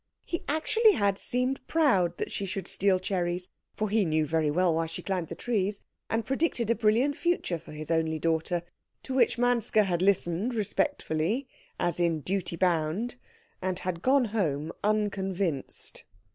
He actually had seemed proud that she should steal cherries, for he knew very well why she climbed the trees, and predicted a brilliant future for his only daughter; to which Manske had listened respectfully as in duty bound, and had gone home unconvinced.